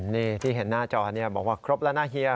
นี่ที่เห็นหน้าจอบอกว่าครบแล้วนะเฮีย